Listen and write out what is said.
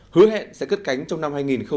hứa hẹn sẽ cất cánh trong năm hai nghìn hai mươi